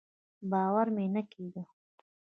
باور مې نه کېده.